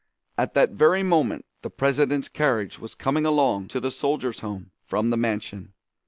At that very moment the President's carriage was coming along to the Soldiers' Home from the mansion.